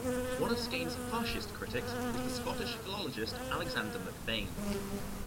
One of Skene's harshest critics was the Scottish philologist Alexander Macbain.